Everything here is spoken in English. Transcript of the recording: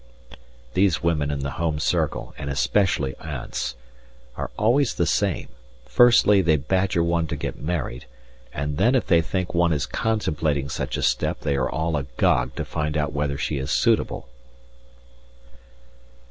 These women in the home circle, and especially aunts, are always the same; firstly, they badger one to get married, and then if they think one is contemplating such a step they are all agog to find out whether she is suitable!